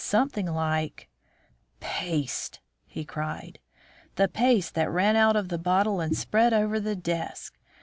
Something like " "Paste!" he cried. "The paste that ran out of the bottle and spread over the desk.